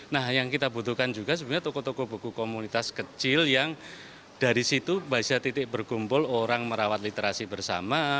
nah yang kita butuhkan juga sebenarnya toko toko buku komunitas kecil yang dari situ baca titik berkumpul orang merawat literasi bersama